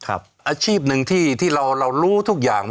อาชีพหนึ่งที่เรารู้ทุกอย่าง